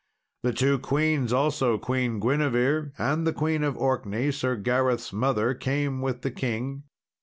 The two queens also, Queen Guinevere and the Queen of Orkney, Sir Gareth's mother, came with the king.